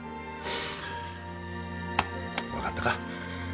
分かったか。